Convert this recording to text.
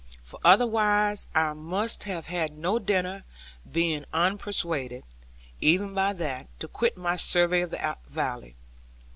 For otherwise I must have had no dinner, being unpersuaded, even by that, to quit my survey of the valley.